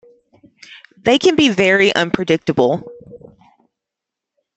They can be very unpredictable.